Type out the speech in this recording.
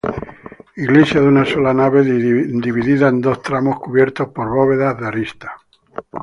Iglesia de una sola nave dividida en dos tramos cubiertos por bóvedas de arista.